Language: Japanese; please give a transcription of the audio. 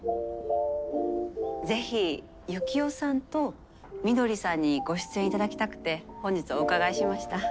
ぜひユキオさんと翠さんにご出演頂きたくて本日お伺いしました。